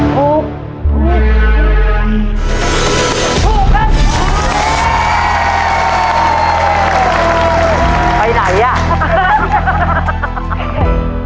ตัวเลือกที่สองพิมสอนนาเป็นคำตอบที่